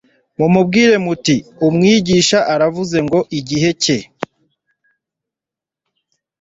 mumubwire muti Umwigisha aravuze ngo igihe cye